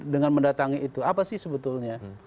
dengan mendatangi itu apa sih sebetulnya